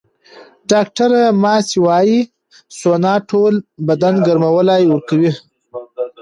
ډاکټره ماسي وايي، سونا ټول بدن ګرموالی ورکوي.